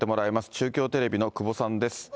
中京テレビのくぼさんです。